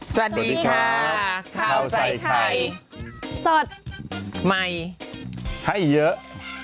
สวัสดีค่ะข้าวใส่ไข่สดใหม่ให้เยอะ